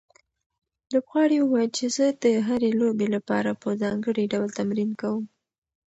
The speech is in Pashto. لوبغاړي وویل چې زه د هرې لوبې لپاره په ځانګړي ډول تمرین کوم.